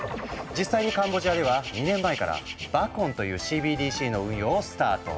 実際にカンボジアでは２年前から「バコン」というＣＢＤＣの運用をスタート。